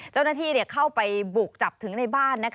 เจ้าหน้าที่เข้าไปบุกจับถึงในบ้าน